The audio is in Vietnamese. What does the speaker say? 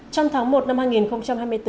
trong tháng một năm hai nghìn hai mươi bốn